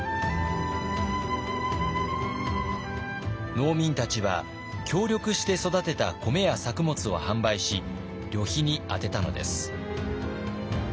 農民たちは協力して育てた米や作物を販売し旅費に充てたのです。